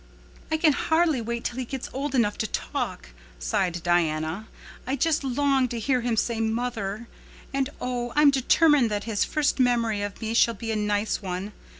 "I can hardly wait till he gets old enough to talk," sighed Diana. "I just long to hear him say 'mother.' And oh, I'm determined that his first memory of me shall be a nice one.